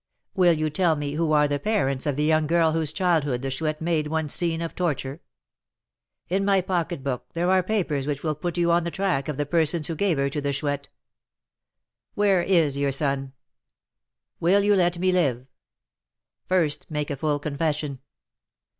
"Will you tell me who are the parents of the young girl whose childhood the Chouette made one scene of torture?" "In my pocketbook there are papers which will put you on the track of the persons who gave her to the Chouette." "Where is your son?" "Will you let me live?" "First make a full confession."